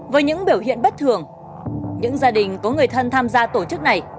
với những biểu hiện bất thường những gia đình có người thân tham gia tổ chức này